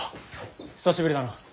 久しぶりだな。